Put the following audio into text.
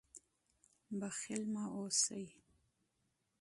بخیل مه اوسئ.